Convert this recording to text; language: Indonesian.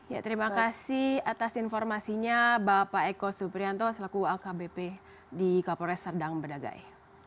ya terima kasih atas informasinya bapak eko suprianto selaku akbp di kapolres serdang bedagai